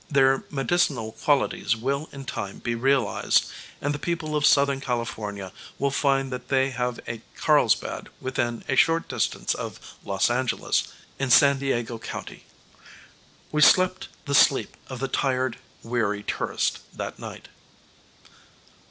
Their medicinal qualities will in time be realized, and the people of Southern California will find that they have a Carlsbad within a short distance of Los Angeles, in San Diego County. We slept the sleep of the tired, weary tourist that night.